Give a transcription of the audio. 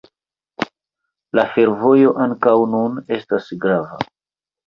La fervojo ankaŭ nun estas grava.